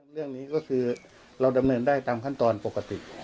เรื่องนี้ก็คือเราดำเนินได้ตามขั้นตอนปกติ